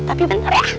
tapi bentar ya